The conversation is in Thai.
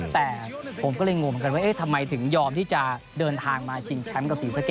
แต่ผมก็เลยงงเหมือนกันว่าเอ๊ะทำไมถึงยอมที่จะเดินทางมาชิงแชมป์กับศรีสะเกด